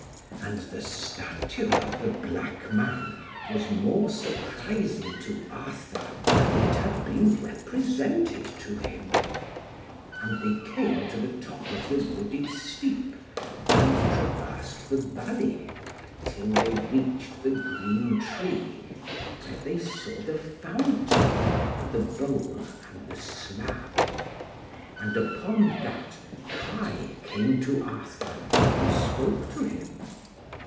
And the stature of the black man was more surprising to Arthur, than it had been represented to him. And they came to the top of the wooded steep, and traversed the valley, till they reached the green tree; where they saw the fountain, and the bowl and the slab. And upon that, Kai came to Arthur, and spoke to him.